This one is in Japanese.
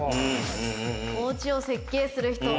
お家を設計する人。